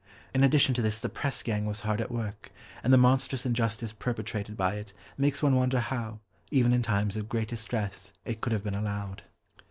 In addition to this the pressgang was hard at work, and the monstrous injustice perpetrated by it makes one wonder how, even in times of greatest stress, it could have been allowed.